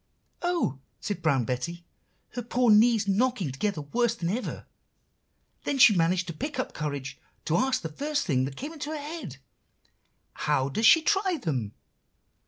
"'Oh!' said Brown Betty, her poor knees knocking together worse than ever. Then she managed to pick up courage to ask the first thing that came into her head. 'How does she try them?